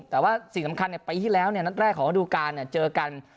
แต่ว่าสิ่งสำคัญปีที่แล้วนัดแรกของระดูการเจอกัน